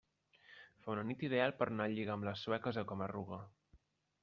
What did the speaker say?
Fa una nit ideal per anar a lligar amb les sueques a Coma-ruga.